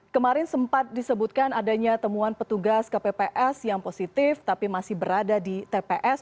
kemarin sempat disebutkan adanya temuan petugas kpps yang positif tapi masih berada di tps